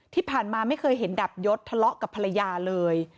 ที่ผ่านมาไม่เคยเห็นดาบยศทะเลาะกับภรรยาเลย